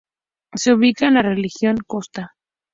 Se ubica en la Región Costa.